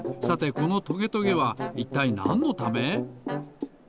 さてこのトゲトゲはいったいなんのため？